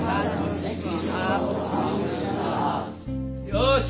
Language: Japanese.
よし！